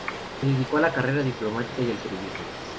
Se dedicó a la carrera diplomática y al periodismo.